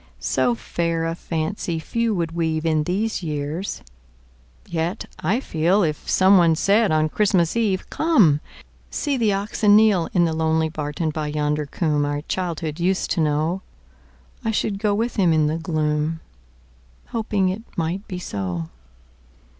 So fair a fancy few would weave In these years! Yet, I feel, If someone said on Christmas Eve, "Come; see the oxen kneel,"In the lonely barton by yonder coomb Our childhood used to know,"I should go with him in the gloom, Hoping it might be so.